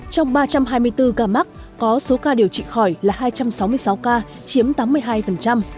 trong ba trăm hai mươi bốn ca mắc có số ca điều trị khỏi là hai trăm sáu mươi sáu ca chiếm tám mươi hai